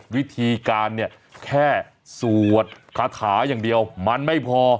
วิธีการเนี่ยแค่สวดคาถาอย่างเดียวมันไม่พอ